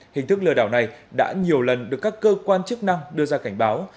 hình thức lừa đảo này đã nhiều lần được các cơ quan chức năng đưa ra cảnh báo